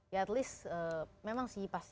ya at least memang sih pasti akan ada catatan